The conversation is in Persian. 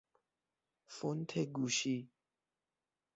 فونت گوشی